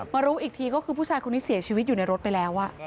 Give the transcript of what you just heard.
รู้อีกทีก็คือผู้ชายคนนี้เสียชีวิตอยู่ในรถไปแล้ว